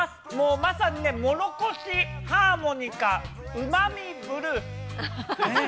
まさにモロコシハーモニカ、うまみブルース。